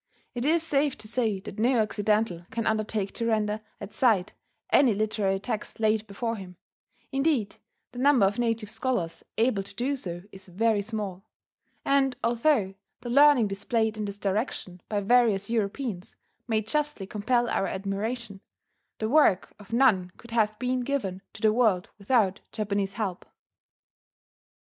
It is safe to say that no Occidental can undertake to render at sight any literary text laid before him indeed the number of native scholars able to do so is very small; and although the learning displayed in this direction by various Europeans may justly compel our admiration, the work of none could have been given to the world without Japanese help.